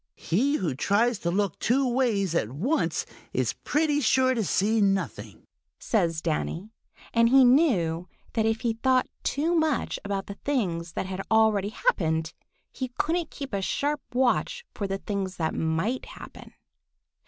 "He who tries to look two ways at once is pretty sure to see nothing," says Danny, and he knew that if he thought too much about the things that had already happened, he couldn't keep a sharp watch for the things that might happen.